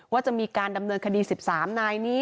ว่าจะมีการดำเนินคดี๑๓นายนี้